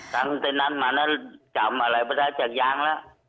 ตั้งแต่นั้นมาน่ะจำอะไรปะนะจากย้างล่ะ